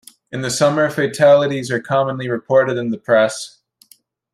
In the summer fatalities are commonly reported in the press.